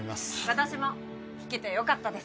私も聞けてよかったです